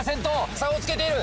差をつけている。